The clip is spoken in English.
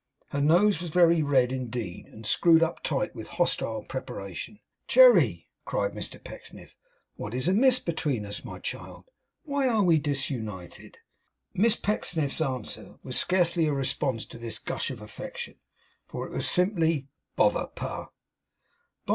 Her nose was very red indeed, and screwed up tight, with hostile preparation. 'Cherry,' cried Mr Pecksniff, 'what is amiss between us? My child, why are we disunited?' Miss Pecksniff's answer was scarcely a response to this gush of affection, for it was simply, 'Bother, Pa!